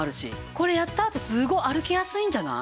これやったあとすごい歩きやすいんじゃない？